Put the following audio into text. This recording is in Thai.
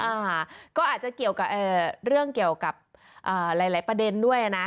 อ่าก็อาจจะเกี่ยวกับเรื่องเกี่ยวกับหลายหลายประเด็นด้วยนะ